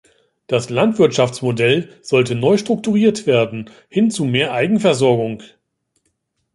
Das Landwirtschaftsmodell sollte neu strukturiert werden, hin zu mehr Eigenversorgung.